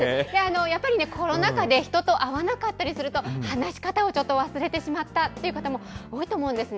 やっぱりね、コロナ禍で人と会わなかったりすると、話し方をちょっと忘れてしまったという方も多いと思うんですね。